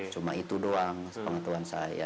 cuma itu doang pengetahuan saya